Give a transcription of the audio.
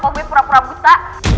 kalau gue pura pura buta